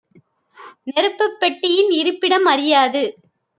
நெருப்புப் பெட்டியின் இருப்பிடம் அறியாது